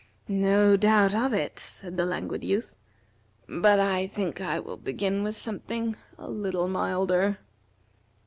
"No doubt of it," said the Languid Youth; "but I think I will begin with something a little milder."